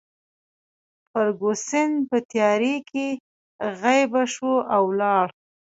فرګوسن په تیارې کې غیبه شوه او ولاړه.